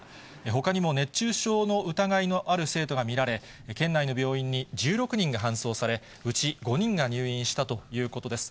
ほかにも熱中症の疑いのある生徒が見られ、県内の病院に１６人が搬送され、うち５人が入院したということです。